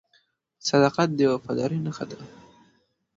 • صداقت د وفادارۍ نښه ده.